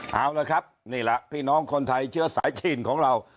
เอาละครับนี่แหละพี่น้องคนไทยเชื้อสายจีนของเรา